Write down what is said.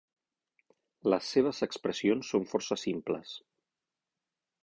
Les seves expressions són força simples.